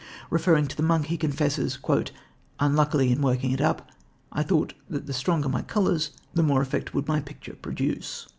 Referring to The Monk, he confesses: "Unluckily, in working it up, I thought that the stronger my colours, the more effect would my picture produce."